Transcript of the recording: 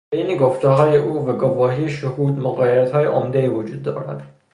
بین گفتههای او و گواهی شهود مغایرتهای عمدهای وجود دارد.